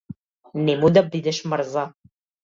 Немој да бидеш мрза.